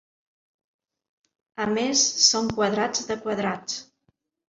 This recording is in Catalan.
A més, són quadrats de quadrats.